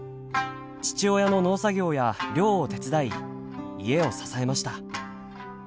父親の農作業や漁を手伝い家を支えました。